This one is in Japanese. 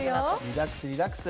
リラックスリラックス。